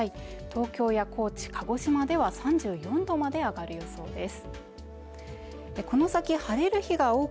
東京や高知、鹿児島では３４度まで上がる予想です。